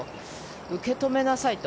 受け止めなさいと。